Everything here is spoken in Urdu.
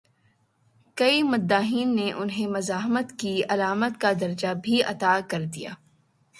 کئی مداحین نے انہیں مزاحمت کی علامت کا درجہ بھی عطا کر دیا۔